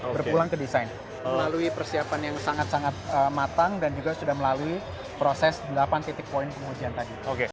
berpulang ke desain melalui persiapan yang sangat sangat matang dan juga sudah melalui proses delapan titik poin pengujian tadi